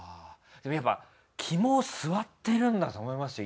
でもやっぱ肝据わってるんだと思いますよ。